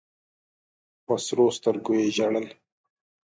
په سرو سترګو یې ژړل.